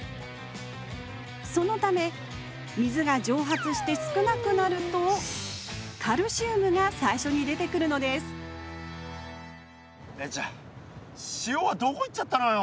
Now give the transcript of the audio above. そのため水が蒸発して少なくなるとカルシウムが最初に出てくるのですじゃあ塩はどこ行っちゃったのよ？